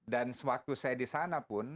dan sewaktu saya di sana pun